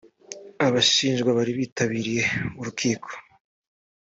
abashinjwa bari bitabiriye urukiko.